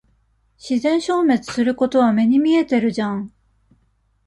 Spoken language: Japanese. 自然消滅することは目に見えてるじゃん。